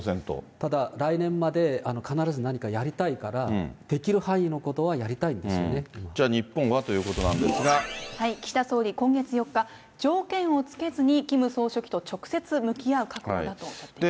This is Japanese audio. ただ、来年まで必ず何かやりたいからできる範囲のことはやりじゃあ、日本はということな岸田総理、今月４日、条件を付けずに、キム総書記と直接向き合う覚悟だとおっしゃっています。